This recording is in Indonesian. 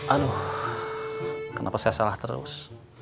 aduh kenapa saya salah terus